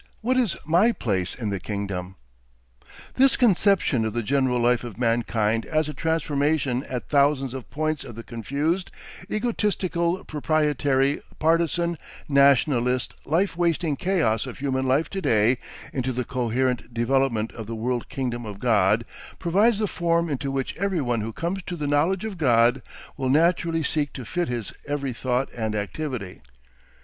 WHAT IS MY PLACE IN THE KINGDOM? This conception of the general life of mankind as a transformation at thousands of points of the confused, egotistical, proprietary, partisan, nationalist, life wasting chaos of human life to day into the coherent development of the world kingdom of God, provides the form into which everyone who comes to the knowledge of God will naturally seek to fit his every thought and activity.